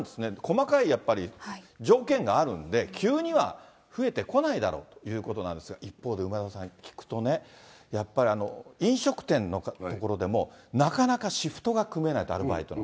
やっぱりあれなんですね、細かいやっぱり、条件があるんで、急には増えてこないだろうということなんですが、一方で、梅沢さん、聞くとね、やっぱり飲食店のところでも、なかなかシフトが組めないと、アルバイトは。